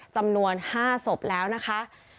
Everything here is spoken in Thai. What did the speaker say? จำนวน๕ศพแล้วนะคะ